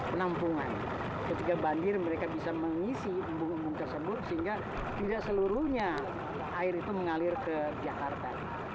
penampungan ketika banjir mereka bisa mengisi embung embung tersebut sehingga tidak seluruhnya air itu mengalir ke jakarta